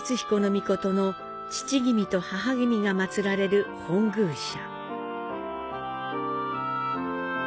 命の父君と母君が祀られる本宮社。